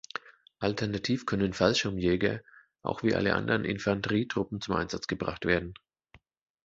Alternativ können Fallschirmjäger auch wie alle anderen Infanterietruppen zum Einsatz gebracht werden.